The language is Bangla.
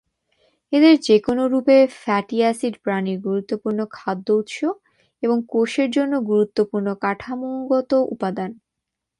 এদের যেকোনও রূপে, ফ্যাটি অ্যাসিড প্রাণীর গুরুত্বপূর্ণ খাদ্য উৎস এবং কোষের জন্য গুরুত্বপূর্ণ কাঠামোগত উপাদান।